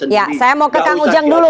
ya saya mau ke kang ujang dulu